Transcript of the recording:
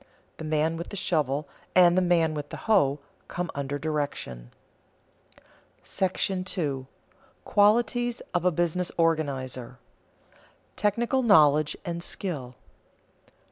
The man with the shovel and the man with the hoe come under direction. § II. QUALITIES OF A BUSINESS ORGANIZER [Sidenote: Technical knowledge and skill] 1.